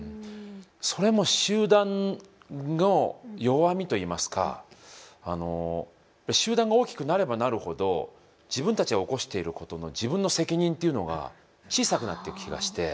それも集団の弱みといいますか集団が大きくなればなるほど自分たちが起こしていることの自分の責任というのが小さくなっていく気がして。